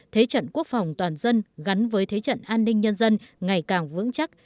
thế trận quốc phòng toàn dân gắn với thế trận an ninh nhân dân ngày càng vững chắc